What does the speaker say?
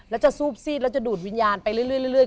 แล้วจะซูบซีดแล้วจะดูดวิญญาณไปเรื่อย